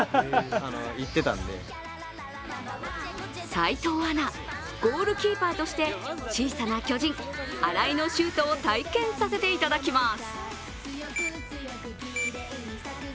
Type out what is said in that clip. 齋藤アナ、ゴールキーパーとして小さな巨人、荒井のシュートを体験させていただきます。